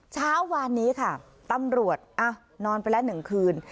เช้าวานนี้ค่ะตำรวจนอนไปแล้ว๑คืน